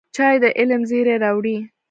چای د علم زېری راوړي